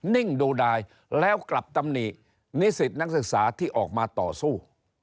นิ่งดูดายแล้วกลับตำหนิสิตนักศึกษาที่ออกมาต่อสู้